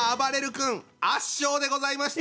君圧勝でございました。